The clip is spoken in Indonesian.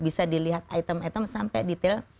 bisa dilihat item item sampai detail